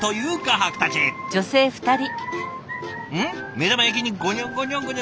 目玉焼きにごにょごにょごにょ。